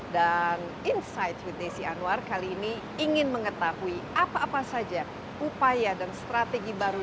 dan insight with desi anwar kali ini ingin mengetahui apa apa saja upaya dan strategi baru